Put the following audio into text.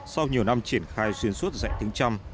sau nhiều năm triển khai xuyên suốt dạy tiếng trăm